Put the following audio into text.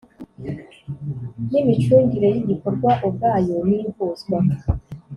N imicungire y igikorwa ubwayo n ihuzwa